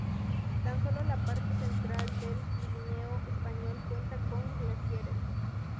Tan sólo la parte central del Pirineo español cuenta con glaciares.